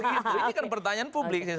ini kan pertanyaan publik